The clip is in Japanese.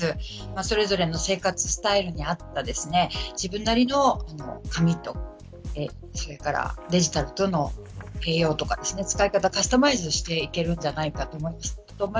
それぞれの生活スタイルに合った自分なりの紙とそれからデジタルというのを併用とか使い方をカスタマイズしてくるんじゃないかなと思います。